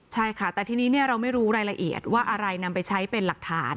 ใช่ค่ะแต่ทีนี้เราไม่รู้รายละเอียดว่าอะไรนำไปใช้เป็นหลักฐาน